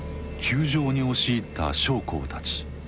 宮城に押し入った将校たち。